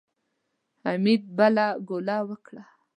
حميد بله ګوله وکړه.